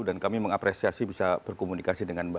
dan kami mengapresiasi bisa berkomunikasi dengan mereka